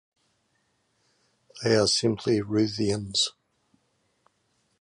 They are simply Ruthenians.